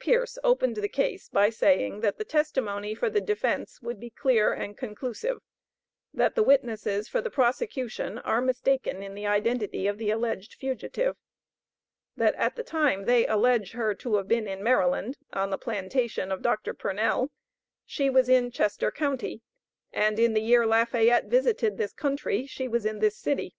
Pierce opened the case by saying that the testimony for the defence would be clear and conclusive; that the witnesses for the prosecution are mistaken in the identity of the alleged fugitive. That at the time they allege her to have been in Maryland, on the plantation of Dr. Purnell, she was in Chester county, and in the year Lafayette visited this country, she was in this city.